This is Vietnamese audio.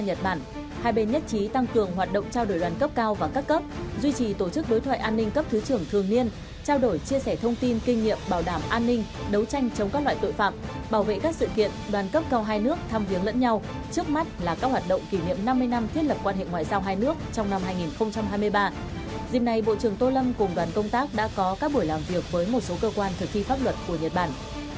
hôm nay bộ trưởng tô lâm cùng đoàn công tác đã có các buổi làm việc với một số cơ quan thực thi pháp luật của nhật bản